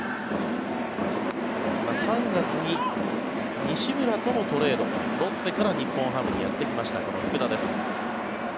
３月に西村とのトレードロッテから日本ハムにやってきましたこの福田です。